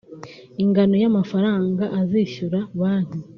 ingano y’amafaranga azishyura banki